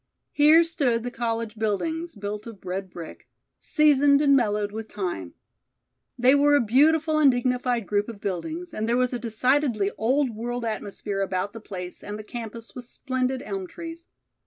Here stood the college buildings, built of red brick, seasoned and mellowed with time. They were a beautiful and dignified group of buildings, and there was a decidedly old world atmosphere about the place and the campus with splendid elm trees.